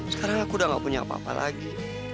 sekarang aku udah gak punya apa apa lagi